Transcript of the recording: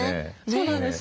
そうなんですよ。